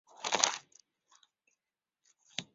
阿唐斯是葡萄牙布拉加区的一个堂区。